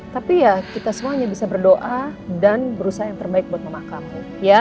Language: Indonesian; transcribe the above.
tapi ya kita semuanya bisa berdoa dan berusaha yang terbaik buat memakam